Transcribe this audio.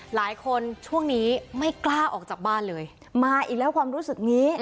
ช่วงนี้ไม่กล้าออกจากบ้านเลยมาอีกแล้วความรู้สึกนี้